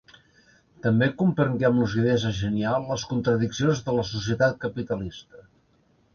També comprengué, amb lucidesa genial, les contradiccions de la societat capitalista.